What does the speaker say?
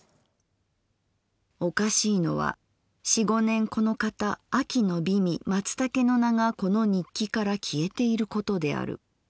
「おかしいのは四五年このかた秋の美味松茸の名がこの日記から消えていることである。